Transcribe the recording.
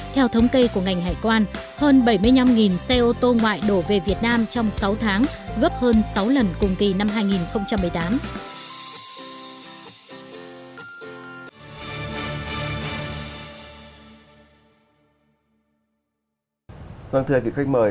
theo thống kê của ngành hải quan hơn bảy mươi năm xe ô tô ngoại đổ về việt nam trong sáu tháng gấp hơn sáu lần cùng kỳ năm hai nghìn một mươi tám